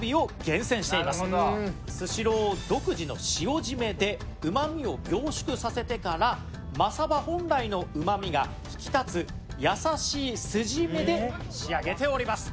スシロー独自の塩締めでうまみを凝縮させてから真さば本来のうまみが引き立つ優しい酢締めで仕上げております。